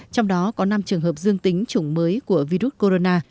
trong đó có năm trường hợp dương tính chủng mới của virus corona